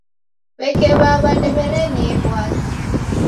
W'eke W'aw'a ndew'erenee w'asi.